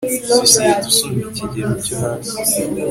sosiyete usumba ikigero cyo hasi